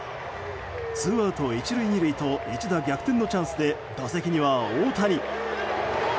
ツーアウト１塁２塁と一打逆転の場面で打席には大谷。